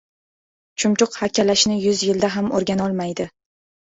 • Chumchuq hakkalashni yuz yilda ham o‘rganolmaydi.